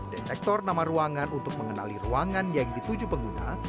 detektor nama ruangan untuk mengenali ruangan yang dituju pengguna